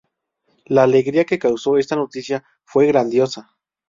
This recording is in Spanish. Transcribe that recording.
La alegría que causó esta noticia fue grandiosa.